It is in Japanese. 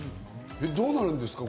どうなるんですか？